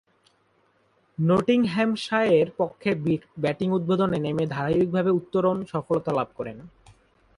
নটিংহ্যামশায়ারের পক্ষে ব্যাটিং উদ্বোধনে নেমে ধারাবাহিকভাবে উত্তরোত্তর সফলতা লাভ করেন।